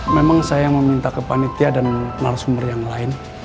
memang saya meminta ke panitia dan narasumber yang lain